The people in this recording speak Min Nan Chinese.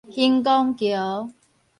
恆光橋